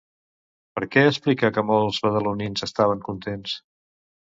Per què explica que molts badalonins estaven contents?